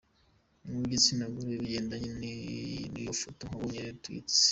n’uw’igitsina gore, bigendanye n’uwo ifoto ye yabonye re-tweets